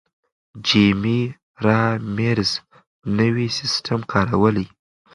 جیمي رامیرز نوی سیستم کاروي.